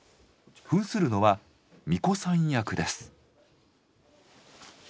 ふんするのは巫女さん役です。